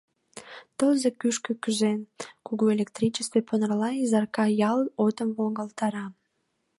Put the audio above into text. Тылзе кӱшкӧ кӱзен, кугу электричестве понарла Изарка ял отым волгалтара.